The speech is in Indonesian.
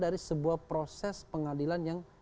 dari sebuah proses pengadilan yang